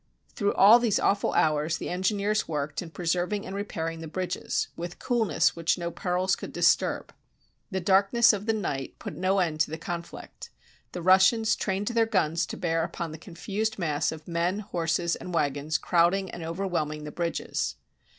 Through all these awful hours the engineers worked in preserving and repairing the bridges, with coolness which no perils could disturb. The darkness of the night put no end to the conflict. The Russians trained their guns to bear upon the confused mass of men, horses, and wagons crowding and overwhelming the bridges.